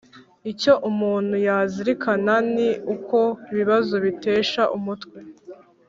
Icyo umuntu yazirikana ni uko ibibazo bitesha umutwe